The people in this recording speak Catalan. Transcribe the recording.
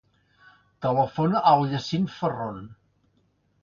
Telefona al Yassine Ferron.